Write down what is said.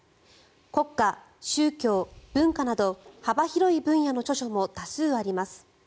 国家、宗教、文化など幅広い分野の著書も多数あります。